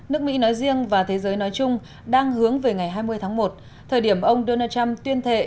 nước mỹ nói riêng và thế giới nói chung đang hướng về ngày hai mươi tháng một thời điểm ông donald trump tuyên thệ